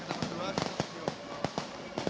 selamat tahun baru